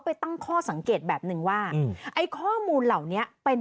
ไปตั้งข้อสังเกตแบบนึงว่าไอ้ข้อมูลเหล่านี้เป็น